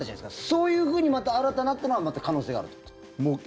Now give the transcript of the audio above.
そういうふうにまた新たなというのはまた可能性があるという？